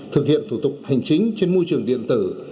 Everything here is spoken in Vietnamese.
thực hiện thủ tục hành chính trên môi trường điện tử